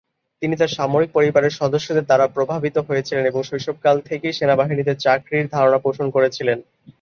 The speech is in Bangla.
তিনি তাঁর সামরিক পরিবারের সদস্যদের দ্বারা প্রভাবিত হয়েছিলেন এবং শৈশবকাল থেকেই সেনাবাহিনীতে চাকরির ধারণা পোষণ করেছিলেন।